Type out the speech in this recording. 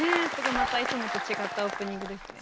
またいつもと違ったオープニングですね。